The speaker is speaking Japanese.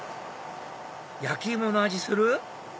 焼き芋の味する？